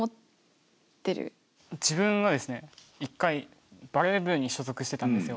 自分はですね一回バレー部に所属してたんですよ。